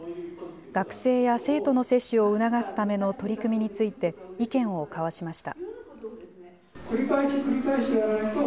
学生や生徒の接種を促すための取り組みについて、意見を交わしました。